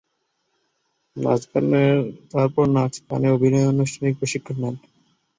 Park গায়ক Lee সেউং-হোয়ানের music video "ফ্লাওয়ার"-এ তার প্রথম উপস্থিতি দেখান, তারপর গান, নাচ এবং অভিনয়ের আনুষ্ঠানিক প্রশিক্ষণ নেন।